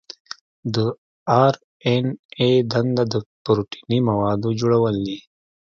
د آر این اې دنده د پروتیني موادو جوړول دي.